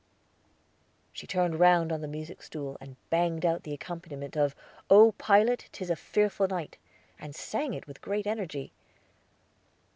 She turned round on the music stool, and banged out the accompaniment of "O pilot, 'tis a fearful night," and sang it with great energy.